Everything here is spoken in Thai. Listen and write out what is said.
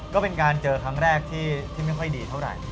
ก็เป็นการเจอครั้งแรกที่ไม่ค่อยดีเท่าไหร่